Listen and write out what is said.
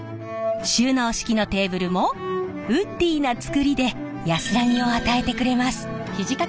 収納式のテーブルもウッディーな作りで安らぎを与えてくれます。